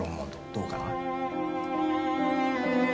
どうかな？